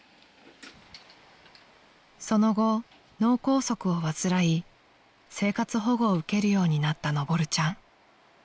［その後脳梗塞を患い生活保護を受けるようになったのぼるちゃん］